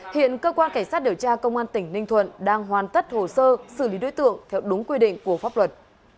hiện cơ quan cảnh sát điều tra công an tỉnh ninh thuận đang hoàn tất hồ sơ xử lý đối tượng theo đúng quy định của pháp luật